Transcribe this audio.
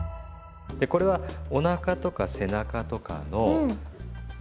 これはおなかとか背中とかの筋肉ね。